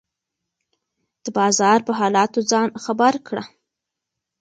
د بازار په حالاتو ځان خبر کړه.